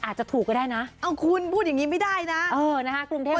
อาจจะถูกก็ได้นะเอาคุณพูดอย่างงี้ไม่ได้นะเออนะคะคุณสับสน